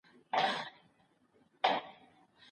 تاسو باید ایوانان له ځان سره واخیستلي وای.